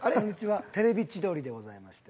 『テレビ千鳥』でございまして。